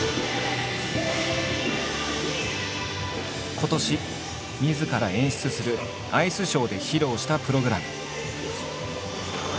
今年みずから演出するアイスショーで披露したプログラム。